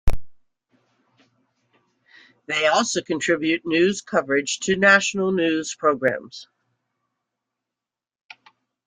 They also contribute news coverage to national news programmes.